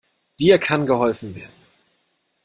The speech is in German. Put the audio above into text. Dir kann geholfen werden.